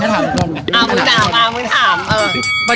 ให้ถามอีกรอบ